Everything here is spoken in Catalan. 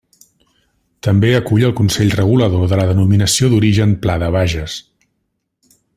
També acull el Consell Regulador de la Denominació d'Origen Pla de Bages.